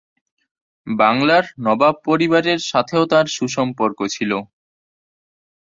বাংলার নবাব পরিবারের সাথেও তার সুসম্পর্ক ছিল।